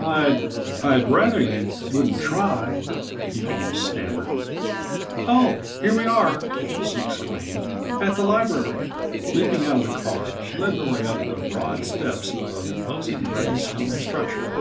"I—I'd rather you wouldn't try," he almost stammered. "Oh! here we are," she exclaimed, "at the library." Leaping out of the car she led the way up102 the broad steps of an imposing gray stone structure.